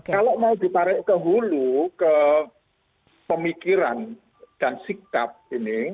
kalau mau ditarik ke hulu ke pemikiran dan sikap ini